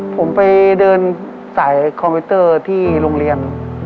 ผมไปเดินสายคอมพิวเตอร์ที่โรงเรียน